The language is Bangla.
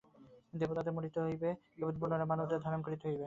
দেবতাদেরও মরিতে হইবে এবং পুনরায় মানবদেহ ধারণ করিতে হইবে।